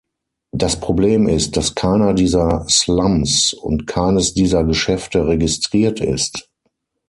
Das Problem ist, dass keiner dieser Slums und keines dieser Geschäfte registriert ist.